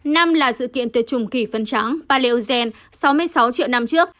năm là sự kiện tuyệt chủng kỳ phân trắng paleogen sáu mươi sáu triệu năm trước